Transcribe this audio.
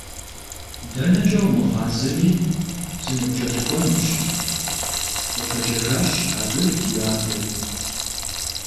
ДэнэкӀэ умыгъазэми, сыныпкӀэлъыкӀуэнущ, – къыпэджэжащ абы и адэр.